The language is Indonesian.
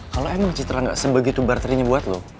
kalo emang citra gak sebegitu barterinya buat lo